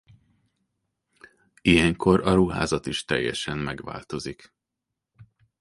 Ilyenkor a ruházat is teljesen megváltozik.